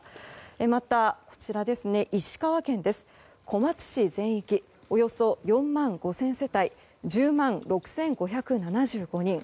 また、石川県小松市全域およそ４万５０００世帯１０万６５７５人。